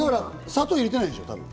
砂糖、入れてないんでしょう？